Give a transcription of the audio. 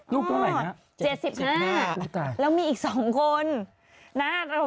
ลูกเท่าไหร่นะ๗๕แล้วมีอีก๒คน